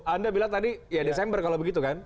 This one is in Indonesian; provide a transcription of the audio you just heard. anda bilang tadi ya desember kalau begitu kan